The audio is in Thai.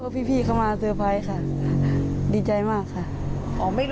พี่เขามาเตอร์ไพรส์ค่ะดีใจมากค่ะ